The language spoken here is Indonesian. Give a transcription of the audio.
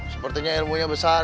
sepertinya ilmunya besar